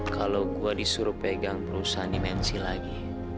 kalau gue disuruh pegang perusahaan dimensi lagi